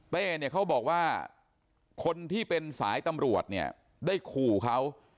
เต้เขาบอกว่าคนที่เป็นสายตำรวจได้ขู่เขา